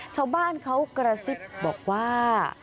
ชาวบ้านเขากระซิบบอกว่า